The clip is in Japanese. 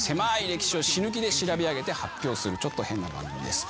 歴史を死ぬ気で調べ上げて発表するちょっと変な番組です。